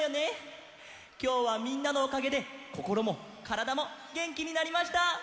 きょうはみんなのおかげでこころもからだもげんきになりました！